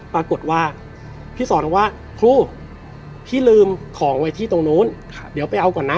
ปรากฏว่าพี่สอนบอกว่าครูพี่ลืมของไว้ที่ตรงนู้นเดี๋ยวไปเอาก่อนนะ